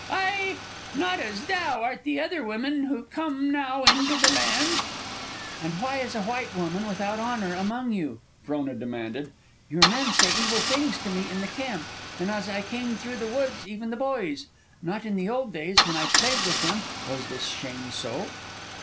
Ai! Not as thou art the other women who come now into the land!" "And why is a white woman without honor among you?" Frona demanded. "Your men say evil things to me in the camp, and as I came through the woods, even the boys. Not in the old days, when I played with them, was this shame so."